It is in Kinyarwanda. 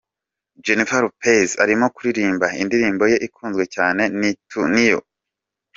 Jennifer Lopez arimo kuririmba indirimbo ye ikunzwe cyane Ni Tu Ni Yo.